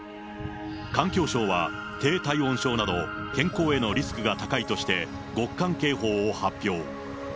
環境省は低体温症など、健康へのリスクが高いとして極寒警報を発表。